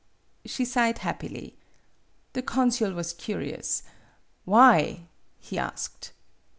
She sighed happily. The consul was curious. "Why?" he asked.